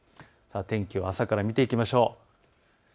天気を朝から見ていきましょう。